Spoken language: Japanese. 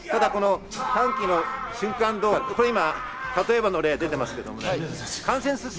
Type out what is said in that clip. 歓喜の瞬間動画、これ、例えばの例が出ています。